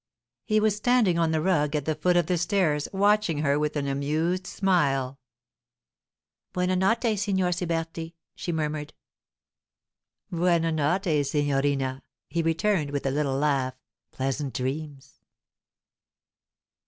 He was standing on the rug at the foot of the stairs, watching her with an amused smile. 'Buona notte, Signor Siberti,' she murmured. 'Buona notte, signorina,' he returned, with a little laugh. 'Pleasant dreams!